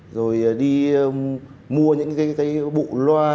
rồi đi mua những cái bụ loa